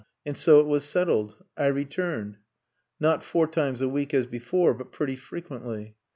_" And so it was settled. I returned not four times a week as before, but pretty frequently.